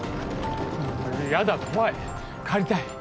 ヤダ怖い帰りたい。